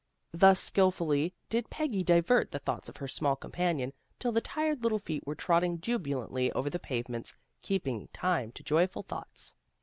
" Thus skilfully did Peggy divert the thoughts of her small companion, till the tired little feet were trotting jubilantly over the pavements, keeping time to joyful thoughts.